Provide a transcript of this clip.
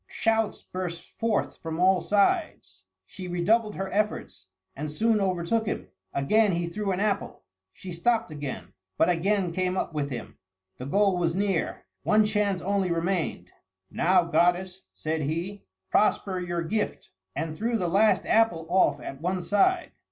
Shouts burst forth from all sides. She redoubled her efforts, and soon overtook him. Again he threw an apple. She stopped again, but again came up with him. The goal was near; one chance only remained. "Now, goddess," said he, "prosper your gift!" and threw the last apple off at one side.